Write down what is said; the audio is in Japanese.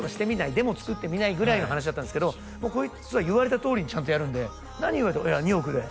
デモ作ってみない？ぐらいの話だったんですけどこいつは言われたとおりにちゃんとやるんで何を言われても「いや２億で」